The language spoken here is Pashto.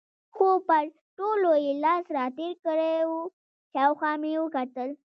خو پر ټولو یې لاس را تېر کړی و، شاوخوا مې وکتل.